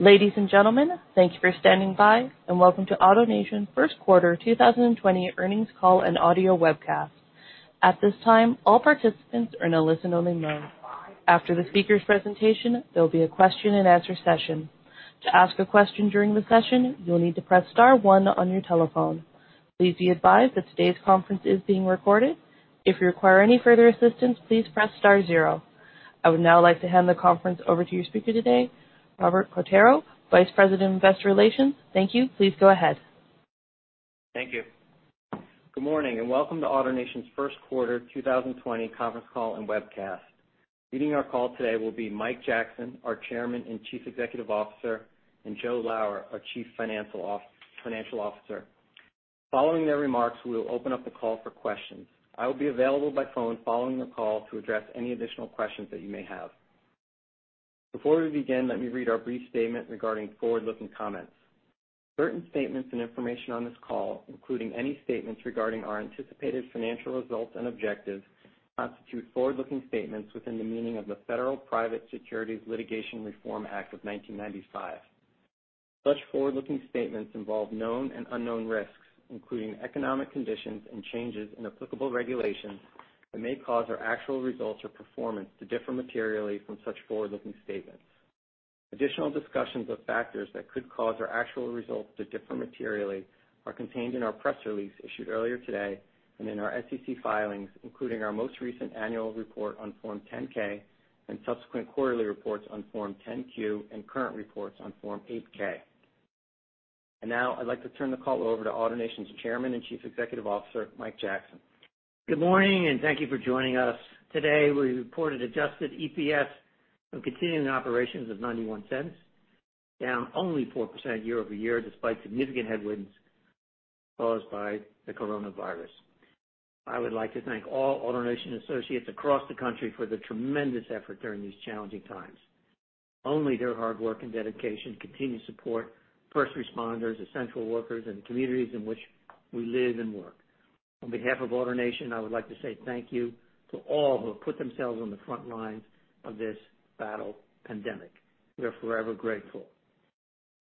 Ladies and gentlemen, thank you for standing by, and welcome to AutoNation's first quarter 2020 earnings call and audio webcast. At this time, all participants are in a listen-only mode. After the speaker's presentation, there will be a question-and-answer session. To ask a question during the session, you'll need to press star one on your telephone. Please be advised that today's conference is being recorded. If you require any further assistance, please press star zero. I would now like to hand the conference over to your speaker today, Robert Quartaro, Vice President of Investor Relations. Thank you. Please go ahead. Thank you. Good morning and welcome to AutoNation's first quarter 2020 conference call and webcast. Leading our call today will be Mike Jackson, our Chairman and Chief Executive Officer, and Joe Lower, our Chief Financial Officer. Following their remarks, we will open up the call for questions. I will be available by phone following the call to address any additional questions that you may have. Before we begin, let me read our brief statement regarding forward-looking comments. Certain statements and information on this call, including any statements regarding our anticipated financial results and objectives, constitute forward-looking statements within the meaning of the federal Private Securities Litigation Reform Act of 1995. Such forward-looking statements involve known and unknown risks, including economic conditions and changes in applicable regulations that may cause our actual results or performance to differ materially from such forward-looking statements. Additional discussions of factors that could cause our actual results to differ materially are contained in our press release issued earlier today and in our SEC filings, including our most recent annual report on Form 10-K and subsequent quarterly reports on Form 10-Q and current reports on Form 8-K and now, I'd like to turn the call over to AutoNation's Chairman and Chief Executive Officer, Mike Jackson. Good morning and thank you for joining us. Today, we reported adjusted EPS of continuing operations of $0.91, down only 4% year-over-year despite significant headwinds caused by the coronavirus. I would like to thank all AutoNation associates across the country for their tremendous effort during these challenging times. Only their hard work and dedication continue to support first responders, essential workers, and the communities in which we live and work. On behalf of AutoNation, I would like to say thank you to all who have put themselves on the front lines of this battle pandemic. We are forever grateful.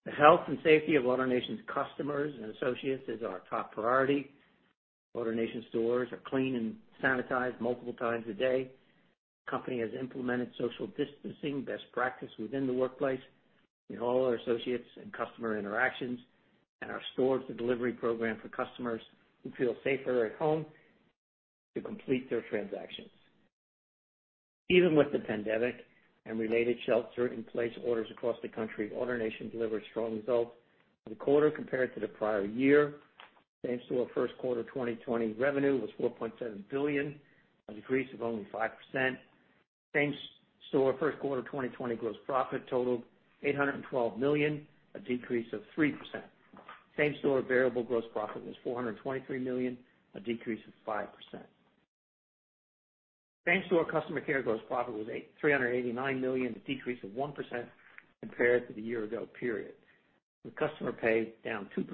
The health and safety of AutoNation's customers and associates is our top priority. AutoNation stores are cleaned and sanitized multiple times a day. The company has implemented social distancing best practice within the workplace in all our associates' and customer interactions and our Store-to-Door delivery program for customers who feel safer at home to complete their transactions. Even with the pandemic and related shelter-in-place orders across the country, AutoNation delivered strong results for the quarter compared to the prior year. Same store first quarter 2020 revenue was $4.7 billion, a decrease of only 5%. Same store first quarter 2020 gross profit totaled $812 million, a decrease of 3%. Same store variable gross profit was $423 million, a decrease of 5%. Same store Customer Care gross profit was $389 million, a decrease of 1% compared to the year ago, with customer pay down 2%.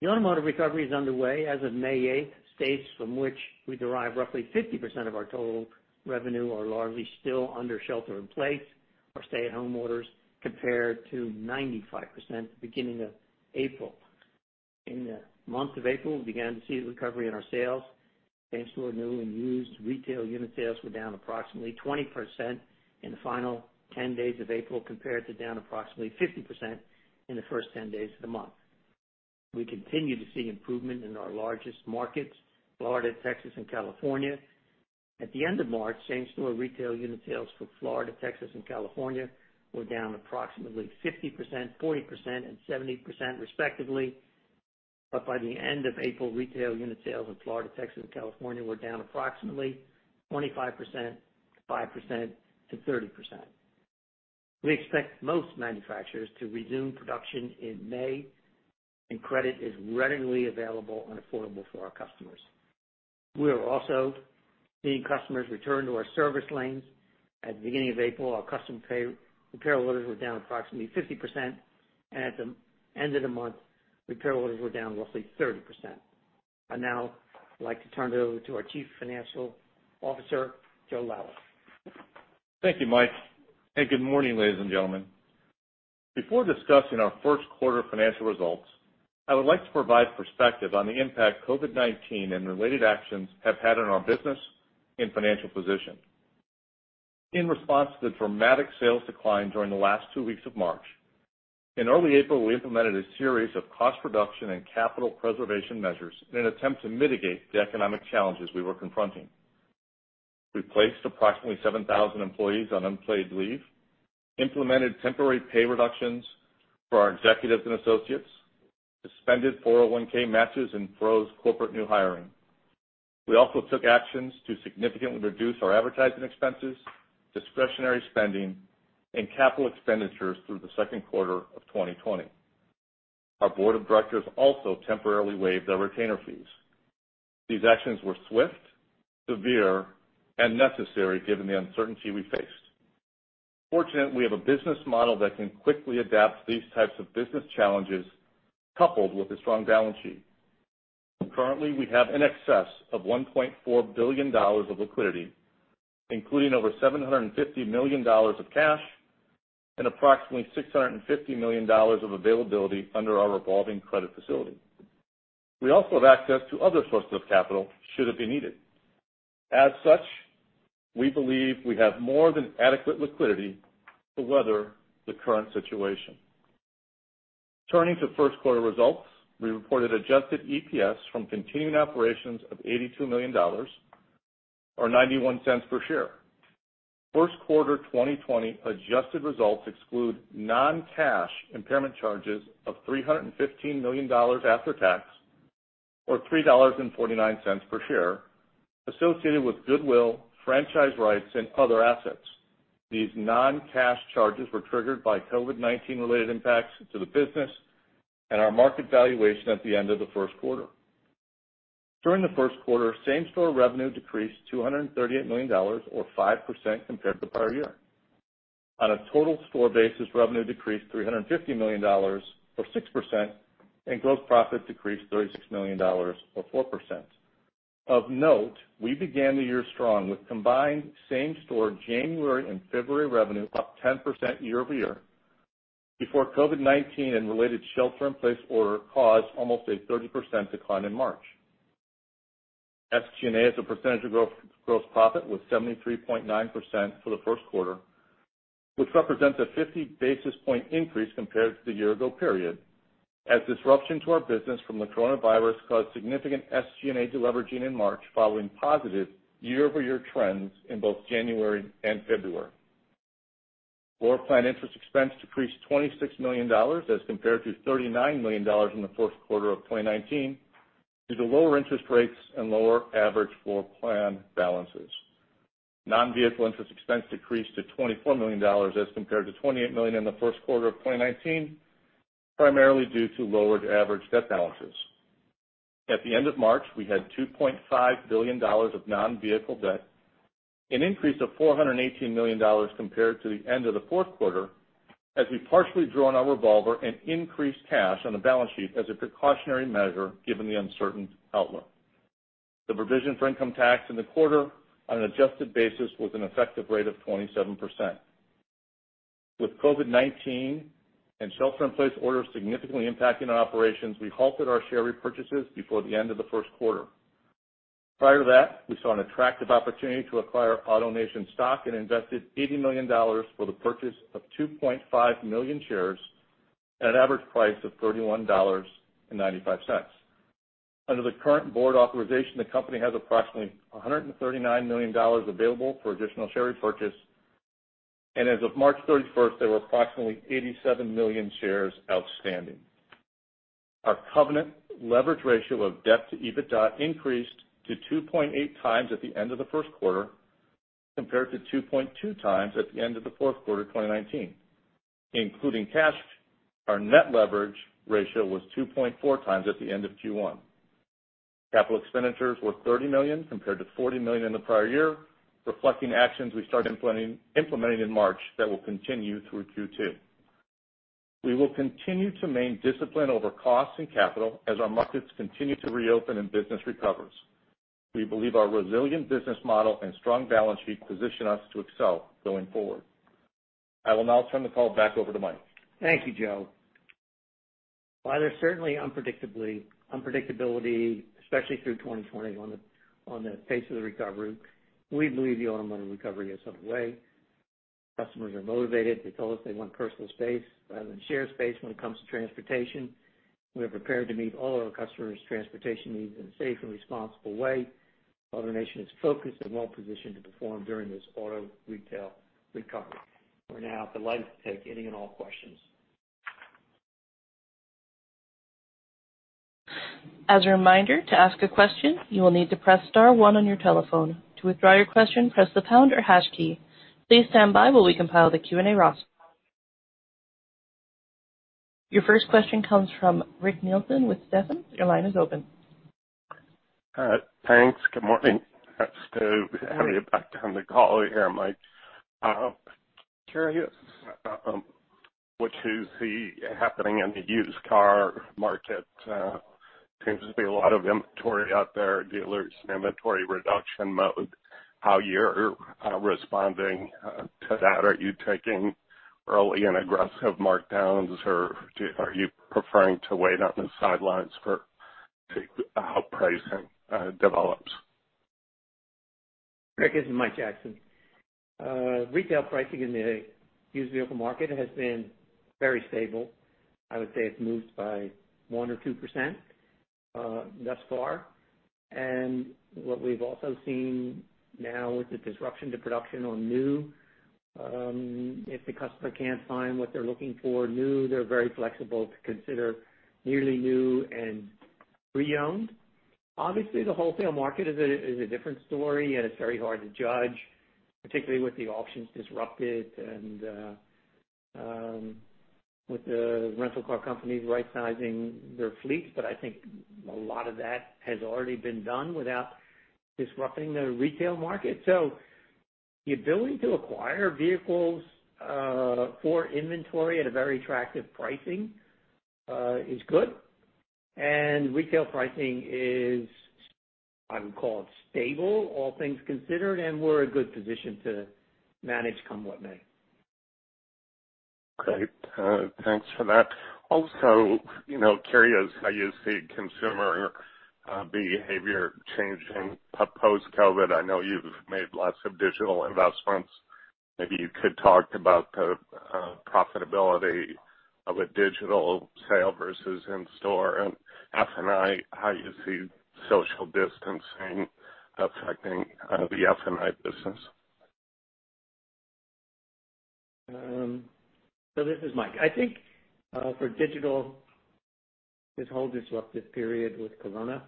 The automotive recovery is underway as of May 8th. States from which we derive roughly 50% of our total revenue are largely still under shelter-in-place or stay-at-home orders compared to 95% beginning of April. In the month of April, we began to see the recovery in our sales. Same store new and used retail unit sales were down approximately 20% in the final 10 days of April compared to down approximately 50% in the first 10 days of the month. We continue to see improvement in our largest markets, Florida, Texas, and California. At the end of March, same store retail unit sales for Florida, Texas, and California were down approximately 50%, 40%, and 70% respectively. But by the end of April, retail unit sales in Florida, Texas, and California were down approximately 25%, 5%, and 30%. We expect most manufacturers to resume production in May, and credit is readily available and affordable for our customers. We are also seeing customers return to our service lanes. At the beginning of April, our customer pay repair orders were down approximately 50%, and at the end of the month, repair orders were down roughly 30%. I'd now like to turn it over to our Chief Financial Officer, Joe Lower. Thank you, Mike. And good morning, ladies and gentlemen. Before discussing our first quarter financial results, I would like to provide perspective on the impact COVID-19 and related actions have had on our business and financial position. In response to the dramatic sales decline during the last two weeks of March, in early April, we implemented a series of cost reduction and capital preservation measures in an attempt to mitigate the economic challenges we were confronting. We placed approximately 7,000 employees on unpaid leave, implemented temporary pay reductions for our executives and associates, suspended 401(k) matches, and froze corporate new hiring. We also took actions to significantly reduce our advertising expenses, discretionary spending, and capital expenditures through the second quarter of 2020. Our board of directors also temporarily waived our retainer fees. These actions were swift, severe, and necessary given the uncertainty we faced. Fortunately, we have a business model that can quickly adapt to these types of business challenges coupled with a strong balance sheet. Currently, we have in excess of $1.4 billion of liquidity, including over $750 million of cash and approximately $650 million of availability under our revolving credit facility. We also have access to other sources of capital should it be needed. As such, we believe we have more than adequate liquidity to weather the current situation. Turning to first quarter results, we reported Adjusted EPS from continuing operations of $82 million or $0.91 per share. First quarter 2020 adjusted results exclude non-cash impairment charges of $315 million after tax or $3.49 per share associated with goodwill, franchise rights, and other assets. These non-cash charges were triggered by COVID-19-related impacts to the business and our market valuation at the end of the first quarter. During the first quarter, same store revenue decreased $238 million or 5% compared to the prior year. On a total store basis, revenue decreased $350 million or 6%, and gross profit decreased $36 million or 4%. Of note, we began the year strong with combined same store January and February revenue up 10% year-over-year before COVID-19 and related shelter-in-place order caused almost a 30% decline in March. SG&A as a percentage of gross profit was 73.9% for the first quarter, which represents a 50 basis points increase compared to the year-ago period, as disruption to our business from the coronavirus caused significant SG&A deleveraging in March following positive year-over-year trends in both January and February. Floor plan interest expense decreased $26 million as compared to $39 million in the first quarter of 2019 due to lower interest rates and lower average floor plan balances. Non-vehicle interest expense decreased to $24 million as compared to $28 million in the first quarter of 2019, primarily due to lowered average debt balances. At the end of March, we had $2.5 billion of non-vehicle debt, an increase of $418 million compared to the end of the fourth quarter, as we partially drawn our revolver and increased cash on the balance sheet as a precautionary measure given the uncertain outlook. The provision for income tax in the quarter on an adjusted basis was an effective rate of 27%. With COVID-19 and shelter-in-place orders significantly impacting our operations, we halted our share repurchases before the end of the first quarter. Prior to that, we saw an attractive opportunity to acquire AutoNation stock and invested $80 million for the purchase of 2.5 million shares at an average price of $31.95. Under the current board authorization, the company has approximately $139 million available for additional share repurchase, and as of March 31st, there were approximately 87 million shares outstanding. Our covenant leverage ratio of debt to EBITDA increased to 2.8 times at the end of the first quarter compared to 2.2 times at the end of the fourth quarter 2019. Including cash, our net leverage ratio was 2.4 times at the end of Q1. Capital expenditures were $30 million compared to $40 million in the prior year, reflecting actions we started implementing in March that will continue through Q2. We will continue to maintain discipline over costs and capital as our markets continue to reopen and business recovers. We believe our resilient business model and strong balance sheet position us to excel going forward. I will now turn the call back over to Mike. Thank you, Joe. While there's certainly unpredictability, especially through 2020 on the face of the recovery, we believe the automotive recovery is underway. Customers are motivated. They told us they want personal space rather than shared space when it comes to transportation. We are prepared to meet all of our customers' transportation needs in a safe and responsible way. AutoNation is focused and well-positioned to perform during this auto retail recovery. We're now delighted to take any and all questions. As a reminder, to ask a question, you will need to press star one on your telephone. To withdraw your question, press the pound or hash key. Please stand by while we compile the Q&A roster. Your first question comes from Rick Nelson with Stephens. Your line is open. Thanks. Good morning. So I'll have you back on the call here, Mike. Curious what you see happening in the used car market. Seems to be a lot of inventory out there, dealers in inventory reduction mode. How you're responding to that? Are you taking early and aggressive markdowns, or are you preferring to wait on the sidelines for how pricing develops? Rick, this is Mike Jackson. Retail pricing in the used vehicle market has been very stable. I would say it's moved by 1% or 2% thus far, and what we've also seen now with the disruption to production on new, if the customer can't find what they're looking for new, they're very flexible to consider nearly new and pre-owned. Obviously, the wholesale market is a different story, and it's very hard to judge, particularly with the auctions disrupted and with the rental car companies rightsizing their fleets, but I think a lot of that has already been done without disrupting the retail market, so the ability to acquire vehicles for inventory at a very attractive pricing is good, and retail pricing is, I would call it, stable all things considered, and we're in a good position to manage come what may. Great. Thanks for that. Also, curious how you see consumer behavior changing post-COVID. I know you've made lots of digital investments. Maybe you could talk about the profitability of a digital sale versus in-store and F&I. How you see social distancing affecting the F&I business. So this is Mike. I think for digital, this whole disruptive period with corona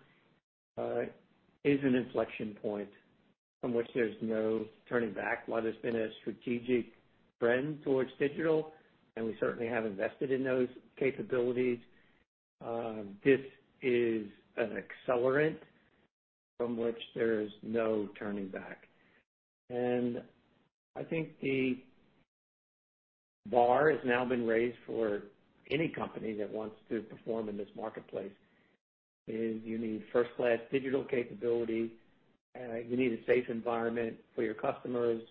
is an inflection point from which there's no turning back. While there's been a strategic trend towards digital, and we certainly have invested in those capabilities, this is an accelerant from which there is no turning back. And I think the bar has now been raised for any company that wants to perform in this marketplace is you need first-class digital capability. You need a safe environment for your customers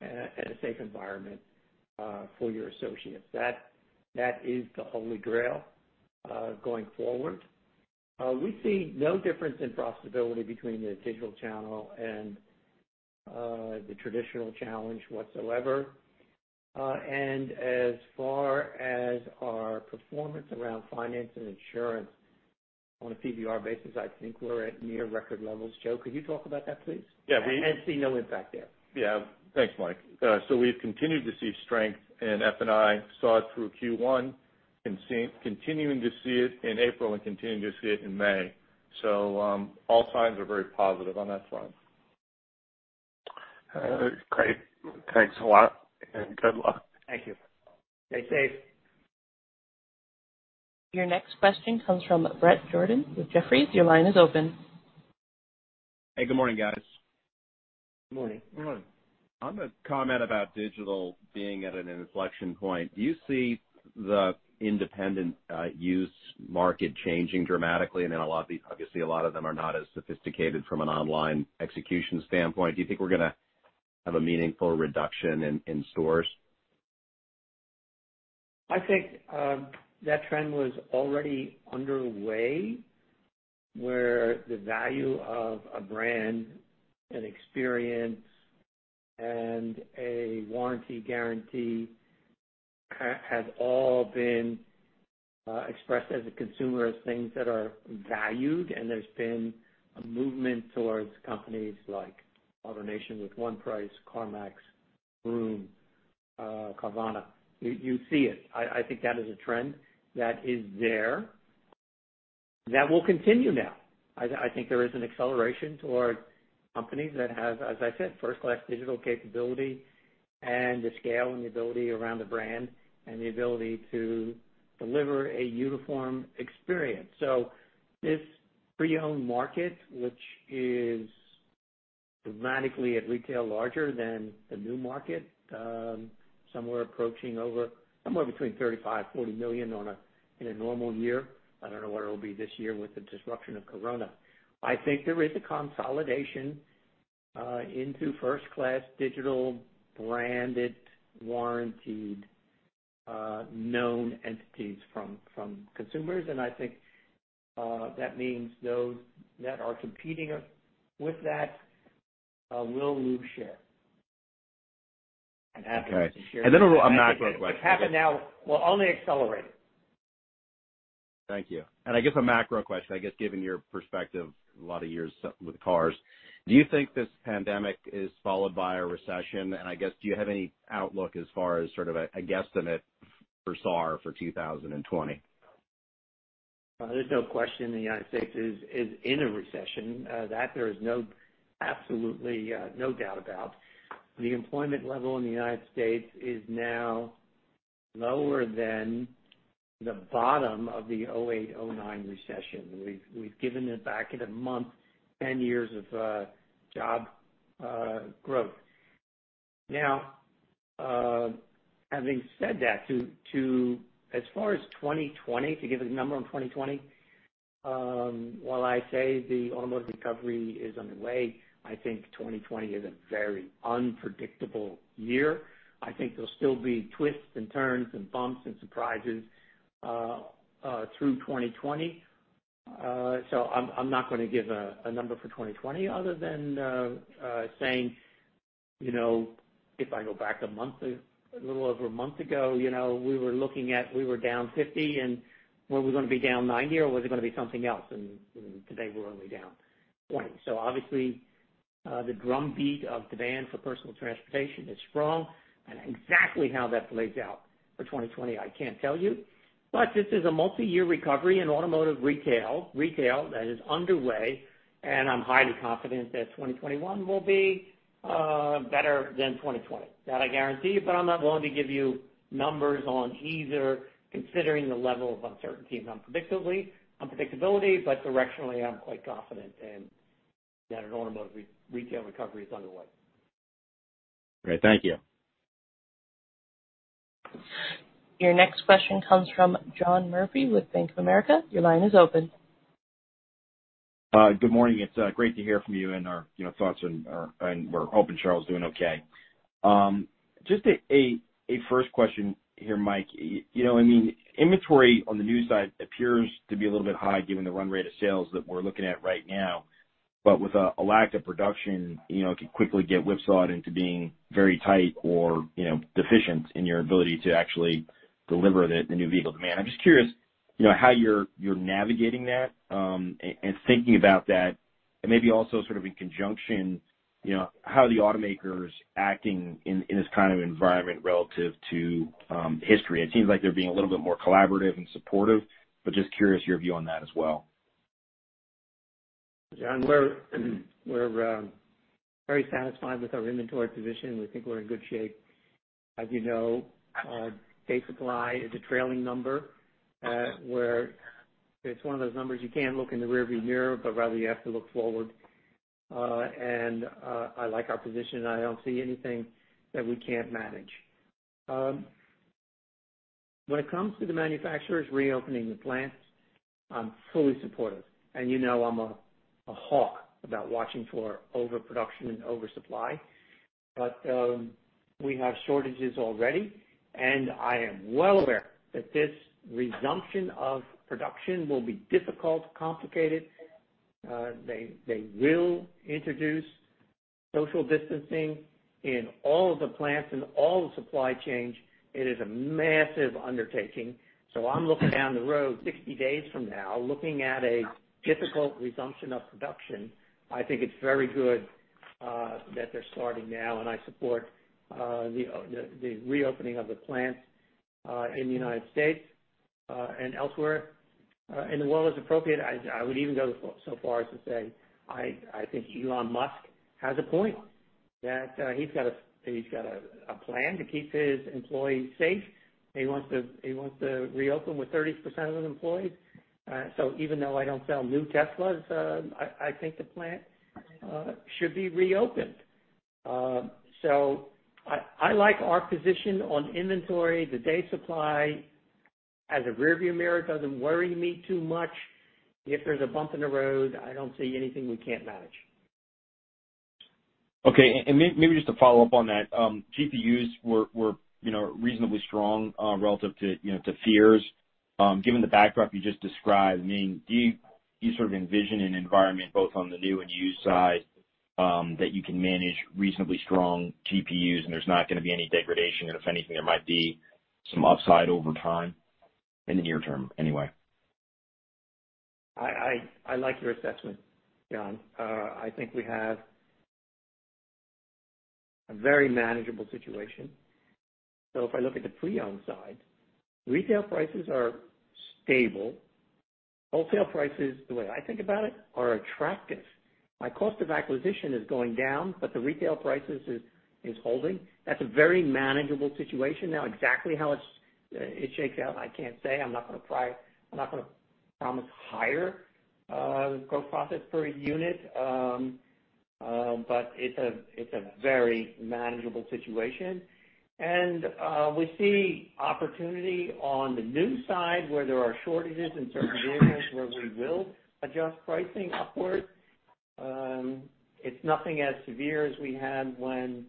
and a safe environment for your associates. That is the holy grail going forward. We see no difference in profitability between the digital channel and the traditional channel whatsoever. And as far as our performance around finance and insurance on a PRU basis, I think we're at near record levels. Joe, could you talk about that, please? Yeah. I see no impact there. Yeah. Thanks, Mike. So we've continued to see strength in F&I, saw it through Q1, and continuing to see it in April and continuing to see it in May. So all signs are very positive on that front. Great. Thanks a lot, and good luck. Thank you. Stay safe. Your next question comes from Brett Jordan with Jefferies. Your line is open. Hey, good morning, guys. Good morning. Good morning. I'm going to comment about digital being at an inflection point. Do you see the independent used market changing dramatically? And then obviously, a lot of them are not as sophisticated from an online execution standpoint. Do you think we're going to have a meaningful reduction in stores? I think that trend was already underway where the value of a brand, an experience, and a warranty guarantee have all been expressed as a consumer as things that are valued. And there's been a movement towards companies like AutoNation with 1-Price, CarMax, Vroom, Carvana. You see it. I think that is a trend that is there that will continue now. I think there is an acceleration toward companies that have, as I said, first-class digital capability and the scale and the ability around the brand and the ability to deliver a uniform experience. So this pre-owned market, which is dramatically at retail larger than the new market, somewhere approaching over somewhere between 35 million-40 million in a normal year. I don't know what it will be this year with the disruption of corona. I think there is a consolidation into first-class digital branded warranty known entities from consumers. I think that means those that are competing with that will lose share and have to share more. And then a macro question. It's happened now, well, only accelerated. Thank you. And I guess a macro question, I guess given your perspective, a lot of years with cars. Do you think this pandemic is followed by a recession? And I guess, do you have any outlook as far as sort of a guesstimate for SAAR for 2020? There's no question the United States is in a recession. That there is absolutely no doubt about. The employment level in the United States is now lower than the bottom of the 2008, 2009 recession. We've given it back in a month, 10 years of job growth. Now, having said that, as far as 2020, to give a number on 2020, while I say the automotive recovery is underway, I think 2020 is a very unpredictable year. I think there'll still be twists and turns and bumps and surprises through 2020. So I'm not going to give a number for 2020 other than saying if I go back a little over a month ago, we were looking at down 50, and were we going to be down 90, or was it going to be something else? And today we're only down 20. Obviously, the drumbeat of demand for personal transportation is strong. And exactly how that plays out for 2020, I can't tell you. But this is a multi-year recovery in automotive retail that is underway. And I'm highly confident that 2021 will be better than 2020. That I guarantee. But I'm not willing to give you numbers on either, considering the level of uncertainty and unpredictability. But directionally, I'm quite confident in that an automotive retail recovery is underway. Great. Thank you. Your next question comes from John Murphy with Bank of America. Your line is open. Good morning. It's great to hear from you and our thoughts on. We're hoping Charyl is doing okay. Just a first question here, Mike. I mean, inventory on the new side appears to be a little bit high given the run rate of sales that we're looking at right now. But with a lack of production, it could quickly get whipsawed into being very tight or deficient in your ability to actually deliver the new vehicle demand. I'm just curious how you're navigating that and thinking about that. And maybe also sort of in conjunction, how are the automakers acting in this kind of environment relative to history? It seems like they're being a little bit more collaborative and supportive. But just curious your view on that as well. John, we're very satisfied with our inventory position. We think we're in good shape. As you know, days supply is a trailing number where it's one of those numbers you can't look in the rearview mirror, but rather you have to look forward. And I like our position. I don't see anything that we can't manage. When it comes to the manufacturers reopening the plants, I'm fully supportive. And you know I'm a hawk about watching for overproduction and oversupply. But we have shortages already. And I am well aware that this resumption of production will be difficult, complicated. They will introduce social distancing in all of the plants and all the supply chains. It is a massive undertaking. So I'm looking down the road 60 days from now, looking at a difficult resumption of production. I think it's very good that they're starting now. And I support the reopening of the plants in the United States and elsewhere in the world as appropriate. I would even go so far as to say I think Elon Musk has a point that he's got a plan to keep his employees safe. He wants to reopen with 30% of his employees. So even though I don't sell new Teslas, I think the plant should be reopened. So I like our position on inventory. The day supply as a rearview mirror doesn't worry me too much. If there's a bump in the road, I don't see anything we can't manage. Okay. And maybe just to follow up on that, GPUs were reasonably strong relative to fears. Given the backdrop you just described, I mean, do you sort of envision an environment both on the new and used side that you can manage reasonably strong GPUs and there's not going to be any degradation? And if anything, there might be some upside over time in the near term anyway. I like your assessment, John. I think we have a very manageable situation, so if I look at the pre-owned side, retail prices are stable. Wholesale prices, the way I think about it, are attractive. My cost of acquisition is going down, but the retail prices are holding. That's a very manageable situation. Now, exactly how it shakes out, I can't say. I'm not going to promise higher gross profits per unit, but it's a very manageable situation, and we see opportunity on the new side where there are shortages in certain vehicles where we will adjust pricing upward. It's nothing as severe as we had when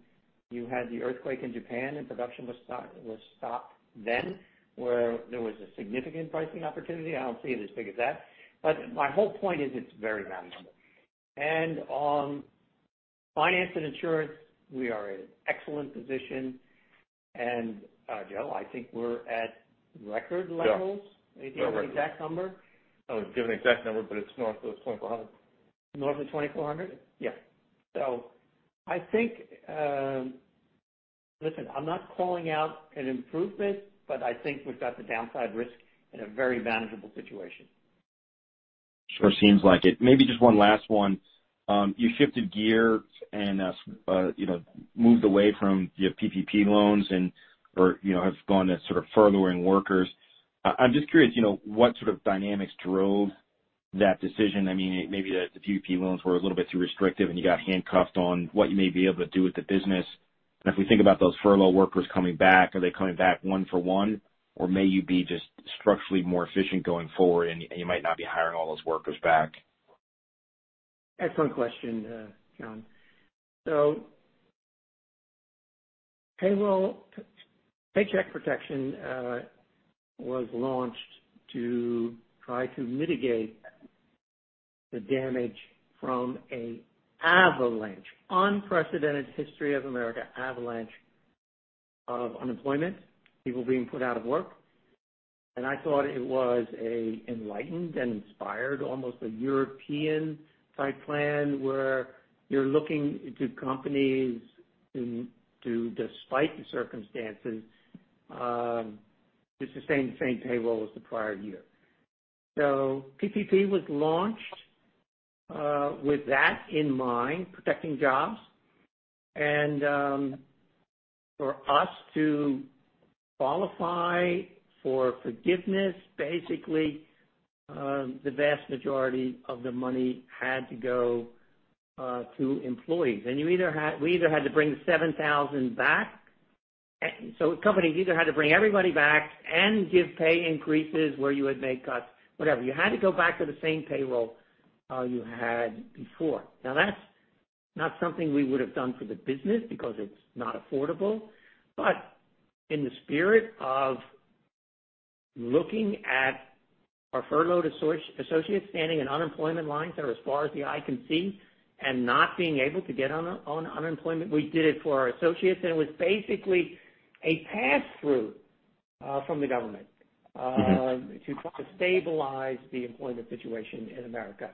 you had the earthquake in Japan and production was stopped then where there was a significant pricing opportunity. I don't see it as big as that, but my whole point is it's very manageable. And on finance and insurance, we are in an excellent position. And Joe, I think we're at record levels. Yeah. We're at record. Anything on the exact number? I was given the exact number, but it's north of 2,400. North of 2,400? Yeah. So I think, listen, I'm not calling out an improvement, but I think we've got the downside risk in a very manageable situation. Sure seems like it. Maybe just one last one. You shifted gears and moved away from your PPP loans and have gone to sort of furloughing workers. I'm just curious what sort of dynamics drove that decision. I mean, maybe the PPP loans were a little bit too restrictive and you got handcuffed on what you may be able to do with the business. And if we think about those furlough workers coming back, are they coming back one for one? Or may you be just structurally more efficient going forward and you might not be hiring all those workers back? Excellent question, John, so Paycheck Protection Program was launched to try to mitigate the damage from an unprecedented avalanche in the history of America, an avalanche of unemployment, people being put out of work, and I thought it was an enlightened and inspired, almost a European-type plan where you're looking to companies to, despite the circumstances, to sustain the same payroll as the prior year, so PPP was launched with that in mind, protecting jobs, and for us to qualify for forgiveness, basically, the vast majority of the money had to go to employees, and we either had to bring 7,000 back, so companies either had to bring everybody back and give pay increases where you would make cuts, whatever, you had to go back to the same payroll you had before. Now, that's not something we would have done for the business because it's not affordable. But in the spirit of looking at our furloughed associates standing in unemployment lines that are as far as the eye can see and not being able to get on unemployment, we did it for our associates. And it was basically a pass-through from the government to try to stabilize the employment situation in America.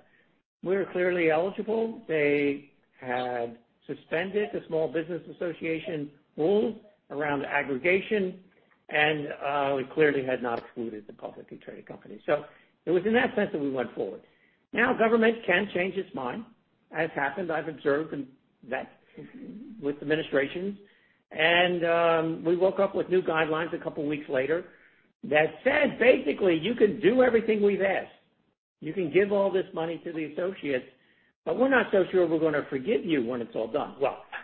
We're clearly eligible. They had suspended the Small Business Administration rules around aggregation. And we clearly had not excluded the publicly traded companies. So it was in that sense that we went forward. Now, government can change its mind. That's happened. I've observed that with administrations. And we woke up with new guidelines a couple of weeks later that said, basically, you can do everything we've asked. You can give all this money to the associates. But we're not so sure we're going to forgive you when it's all done.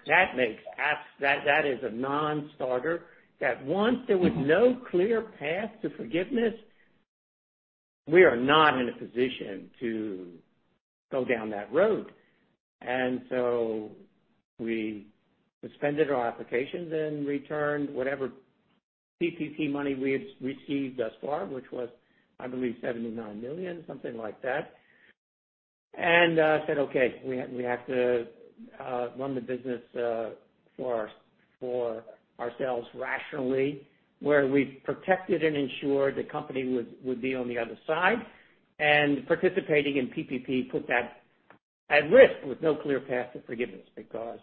That is a non-starter that once there was no clear path to forgiveness, we are not in a position to go down that road. And so we suspended our applications and returned whatever PPP money we had received thus far, which was, I believe, $79 million, something like that. And said, okay, we have to run the business for ourselves rationally where we protected and ensured the company would be on the other side. And participating in PPP put that at risk with no clear path to forgiveness because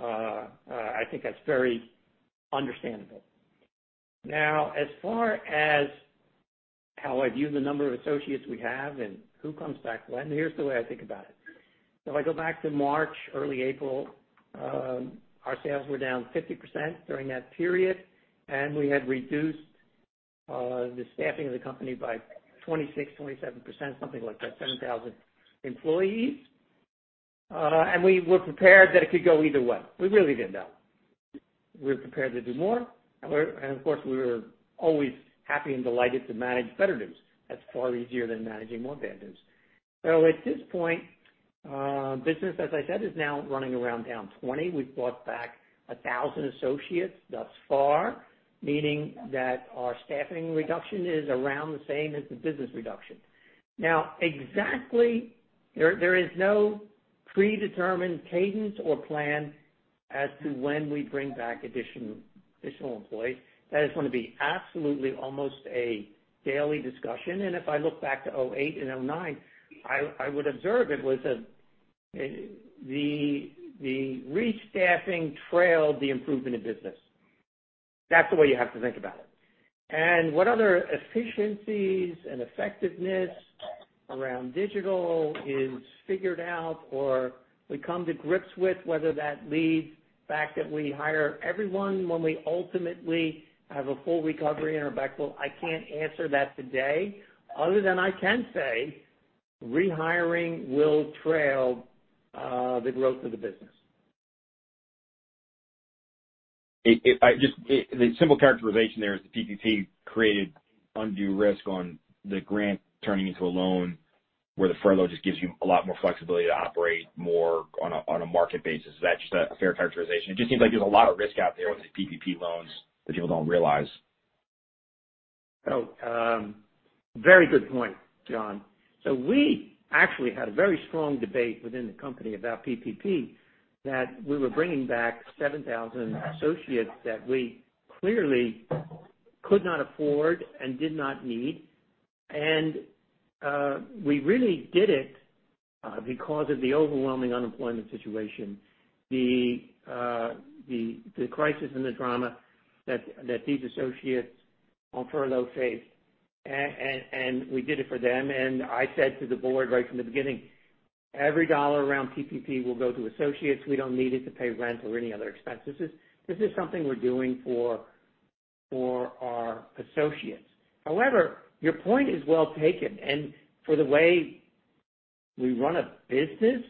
I think that's very understandable. Now, as far as how I view the number of associates we have and who comes back when, here's the way I think about it. So if I go back to March, early April, our sales were down 50% during that period. And we had reduced the staffing of the company by 26%-27%, something like that, 7,000 employees. And we were prepared that it could go either way. We really didn't know. We were prepared to do more. And of course, we were always happy and delighted to manage better news. That's far easier than managing more bad news. So at this point, business, as I said, is now running around down 20%. We've brought back 1,000 associates thus far, meaning that our staffing reduction is around the same as the business reduction. Now, exactly there is no predetermined cadence or plan as to when we bring back additional employees. That is going to be absolutely almost a daily discussion. And if I look back to 2008 and 2009, I would observe it was the restaffing trailed the improvement of business. That's the way you have to think about it. What other efficiencies and effectiveness around digital is figured out or we come to grips with, whether that leads back that we hire everyone when we ultimately have a full recovery in our backfill, I can't answer that today other than I can say rehiring will trail the growth of the business. The simple characterization there is the PPP created undue risk on the grant turning into a loan where the furlough just gives you a lot more flexibility to operate more on a market basis. Is that just a fair characterization? It just seems like there's a lot of risk out there with the PPP loans that people don't realize. Oh, very good point, John. So we actually had a very strong debate within the company about PPP that we were bringing back 7,000 associates that we clearly could not afford and did not need. And we really did it because of the overwhelming unemployment situation, the crisis and the drama that these associates on furlough faced. And we did it for them. And I said to the board right from the beginning, every dollar around PPP will go to associates. We don't need it to pay rent or any other expenses. This is something we're doing for our associates. However, your point is well taken. And for the way we run a business,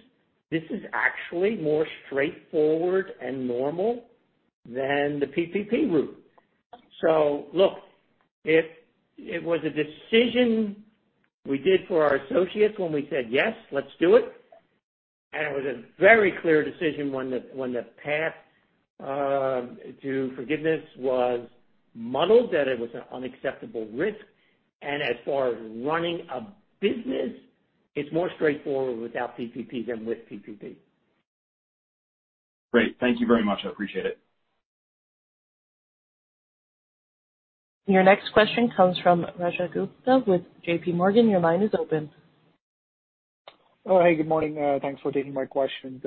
this is actually more straightforward and normal than the PPP route. So look, if it was a decision we did for our associates when we said, "Yes, let's do it." And it was a very clear decision when the path to forgiveness was muddled, that it was an unacceptable risk. And as far as running a business, it's more straightforward without PPP than with PPP. Great. Thank you very much. I appreciate it. Your next question comes from Rajat Gupta with JPMorgan. Your line is open. All right. Good morning. Thanks for taking my question.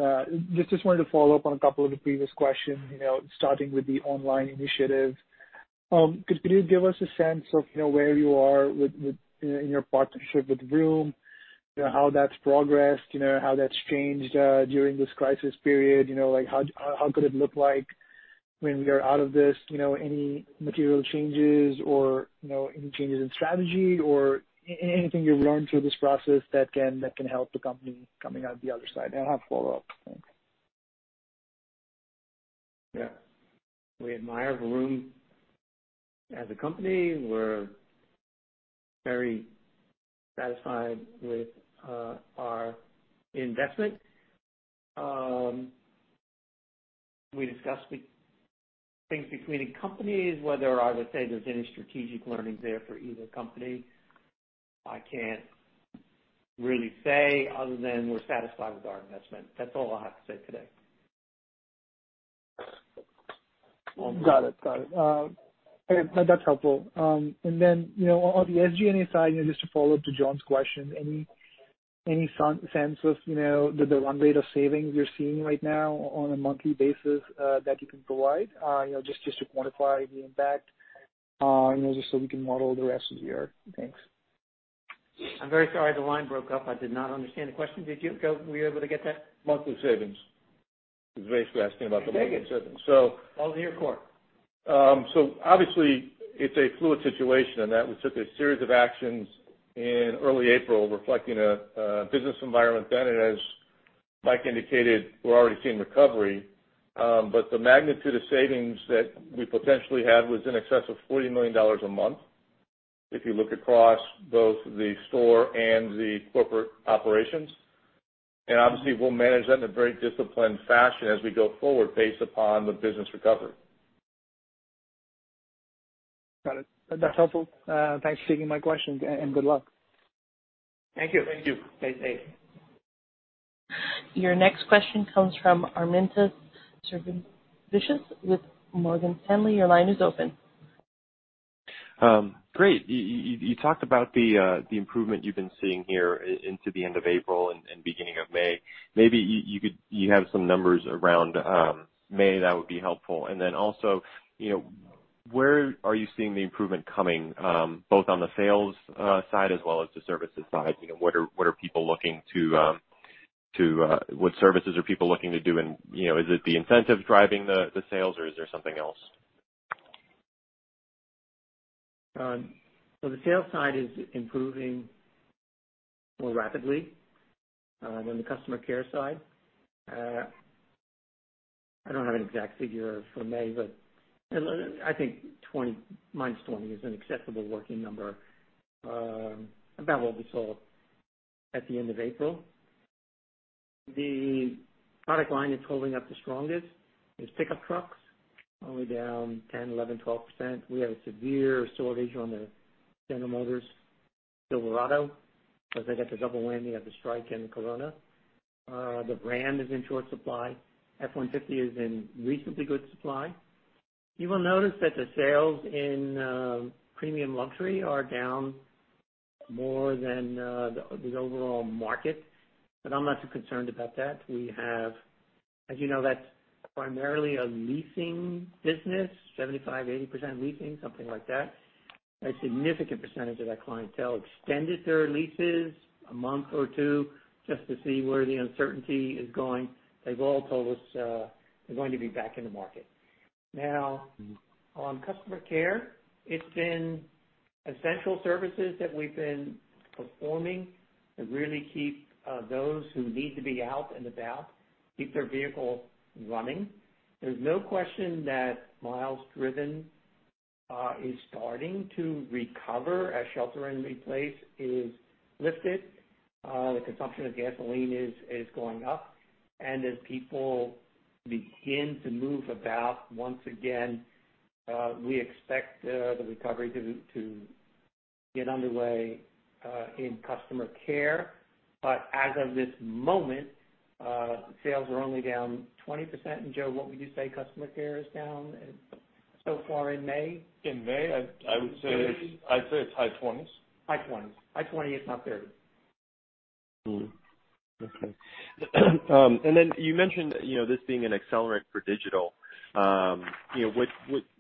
Just wanted to follow up on a couple of the previous questions, starting with the online initiative. Could you give us a sense of where you are in your partnership with Vroom, how that's progressed, how that's changed during this crisis period? How could it look like when we are out of this? Any material changes or any changes in strategy or anything you've learned through this process that can help the company coming out the other side? And I have follow-ups. Thanks. Yeah. We admire Vroom as a company. We're very satisfied with our investment. We discussed things between companies, whether I would say there's any strategic learning there for either company. I can't really say other than we're satisfied with our investment. That's all I have to say today. Got it. Got it. That's helpful. And then on the SG&A side, just to follow up to John's question, any sense of the run rate of savings you're seeing right now on a monthly basis that you can provide just to quantify the impact just so we can model the rest of the year? Thanks. I'm very sorry. The line broke up. I did not understand the question. Were you able to get that? Monthly savings. He's basically asking about the monthly savings. Thank you. All in your court. Obviously, it's a fluid situation in that we took a series of actions in early April reflecting a business environment then. As Mike indicated, we're already seeing recovery. The magnitude of savings that we potentially had was in excess of $40 million a month if you look across both the store and the corporate operations. Obviously, we'll manage that in a very disciplined fashion as we go forward based upon the business recovery. Got it. That's helpful. Thanks for taking my question and good luck. Thank you. Thank you. Thanks. Thanks. Your next question comes from Armintas Sinkevicius with Morgan Stanley. Your line is open. Great. You talked about the improvement you've been seeing here into the end of April and beginning of May. Maybe you have some numbers around May that would be helpful, and then also, where are you seeing the improvement coming both on the sales side as well as the services side? What are people looking to do? What services are people looking to do? And is it the incentive driving the sales, or is there something else? The sales side is improving more rapidly than the Customer Care side. I don't have an exact figure for May, but I think -20% is an acceptable working number. About will be sold at the end of April. The product line that's holding up the strongest is pickup trucks, only down 10%-12%. We have a severe shortage on the General Motors Silverado because they got the double whammy of the strike and the corona. The Ram is in short supply. F-150 is in reasonably good supply. You will notice that the sales in premium luxury are down more than the overall market. But I'm not too concerned about that. As you know, that's primarily a leasing business, 75%-80% leasing, something like that. A significant percentage of that clientele extended their leases a month or two just to see where the uncertainty is going. They've all told us they're going to be back in the market. Now, on Customer Care, it's been essential services that we've been performing to really keep those who need to be out and about, keep their vehicle running. There's no question that miles driven is starting to recover as shelter-in-place is lifted. The consumption of gasoline is going up, and as people begin to move about once again, we expect the recovery to get underway in Customer Care, but as of this moment, sales are only down 20%. And Joe, what would you say Customer Care is down so far in May? In May, I'd say it's high 20s. High 20s. High 20, if not 30. Okay. And then you mentioned this being an accelerant for digital.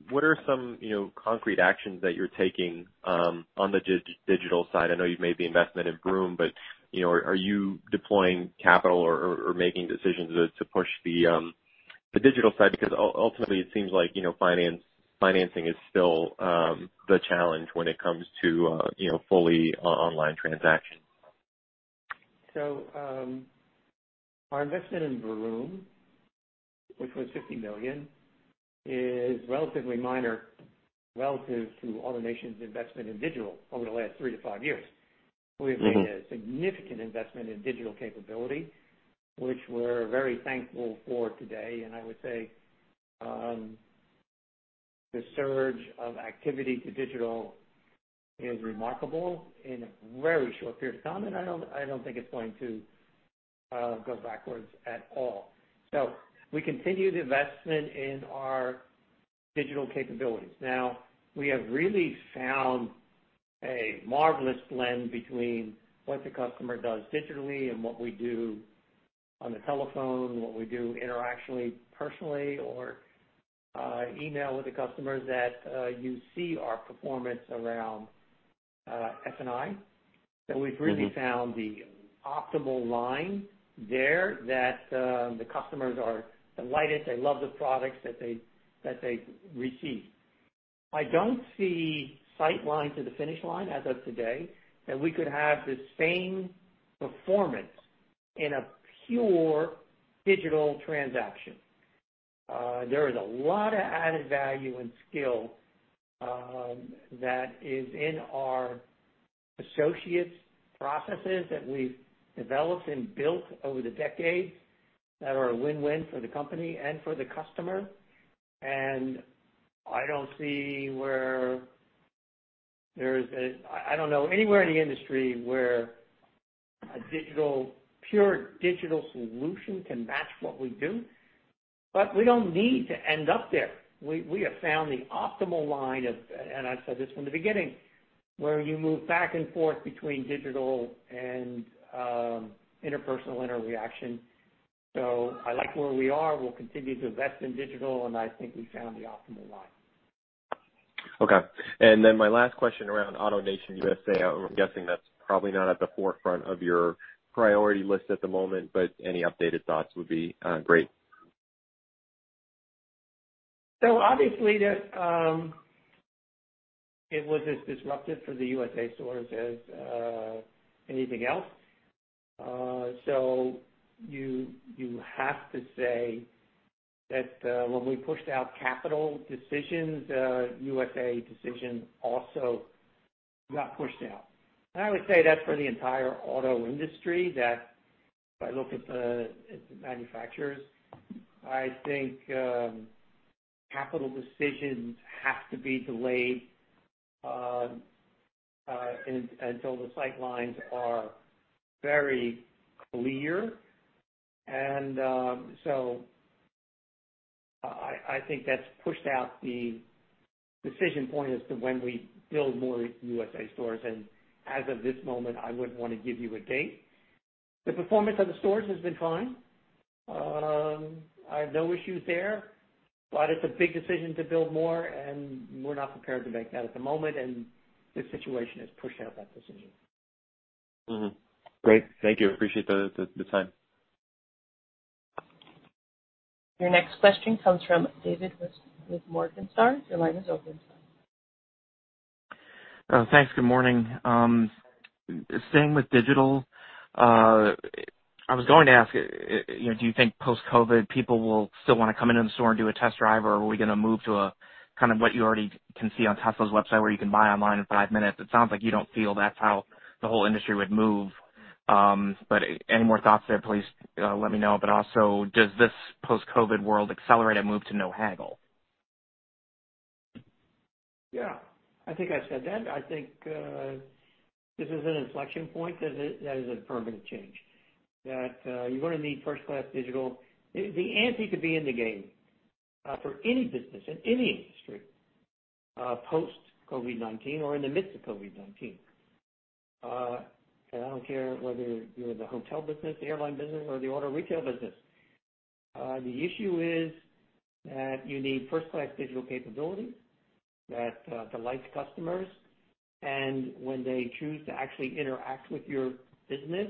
What are some concrete actions that you're taking on the digital side? I know you've made the investment in Vroom, but are you deploying capital or making decisions to push the digital side? Because ultimately, it seems like financing is still the challenge when it comes to fully online transactions. Our investment in Vroom, which was $50 million, is relatively minor relative to AutoNation's investment in digital over the last three to five years. We have made a significant investment in digital capability, which we're very thankful for today. I would say the surge of activity to digital is remarkable in a very short period of time. I don't think it's going to go backwards at all. We continue the investment in our digital capabilities. Now, we have really found a marvelous blend between what the customer does digitally and what we do on the telephone, what we do interactively, personally, or email with the customers that you see our performance around F&I. We've really found the optimal line there that the customers are delighted. They love the products that they receive. I don't see a sight line to the finish line as of today that we could have the same performance in a pure digital transaction. There is a lot of added value and skill that is in our associates' processes that we've developed and built over the decades that are a win-win for the company and for the customer. And I don't see where there is. I don't know anywhere in the industry where a pure digital solution can match what we do. But we don't need to end up there. We have found the optimal line of, and I said this from the beginning, where you move back and forth between digital and interpersonal interaction. So I like where we are. We'll continue to invest in digital. And I think we found the optimal line. Okay. And then my last question around AutoNation USA. I'm guessing that's probably not at the forefront of your priority list at the moment, but any updated thoughts would be great? So obviously, it was as disruptive for the AutoNation USA stores as anything else. So you have to say that when we pushed out capital decisions, AutoNation USA decision also got pushed out. And I would say that's for the entire auto industry that if I look at the manufacturers, I think capital decisions have to be delayed until the sight lines are very clear. And so I think that's pushed out the decision point as to when we build more AutoNation USA stores. And as of this moment, I wouldn't want to give you a date. The performance of the stores has been fine. I have no issues there. But it's a big decision to build more. And we're not prepared to make that at the moment. And the situation has pushed out that decision. Great. Thank you. Appreciate the time. Your next question comes from David Whiston with Morningstar. Your line is open. Thanks. Good morning. Staying with digital, I was going to ask, do you think post-COVID people will still want to come into the store and do a test drive, or are we going to move to kind of what you already can see on Tesla's website where you can buy online in five minutes? It sounds like you don't feel that's how the whole industry would move. But any more thoughts there, please let me know. But also, does this post-COVID world accelerate a move to no haggle? Yeah. I think I've said that. I think this is an inflection point that is a permanent change, that you're going to need first-class digital. The ante to be in the game for any business in any industry post-COVID-19 or in the midst of COVID-19. And I don't care whether you're in the hotel business, the airline business, or the auto retail business. The issue is that you need first-class digital capabilities that delight customers. And when they choose to actually interact with your business,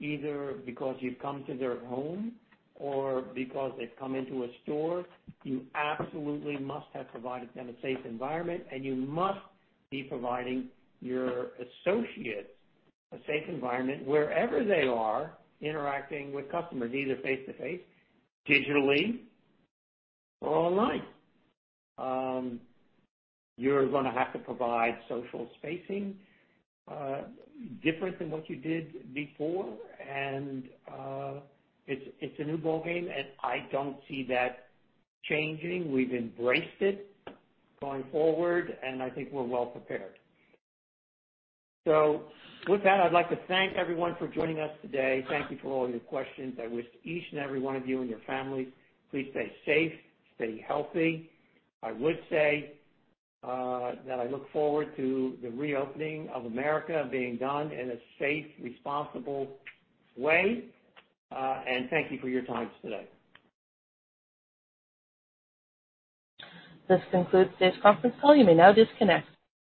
either because you've come to their home or because they've come into a store, you absolutely must have provided them a safe environment. And you must be providing your associates a safe environment wherever they are interacting with customers, either face-to-face, digitally, or online. You're going to have to provide social spacing different than what you did before. And it's a new ball game. And I don't see that changing. We've embraced it going forward. And I think we're well prepared. So with that, I'd like to thank everyone for joining us today. Thank you for all your questions. I wish each and every one of you and your families. Please stay safe, stay healthy. I would say that I look forward to the reopening of America being done in a safe, responsible way. And thank you for your time today. This concludes today's conference call. You may now disconnect.